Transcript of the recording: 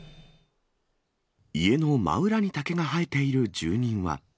家の真裏に竹が生えている住人は。